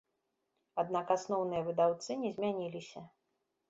Аднак асноўныя выдаўцы не змяніліся.